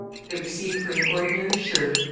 They receive for an ordinary shirt 1.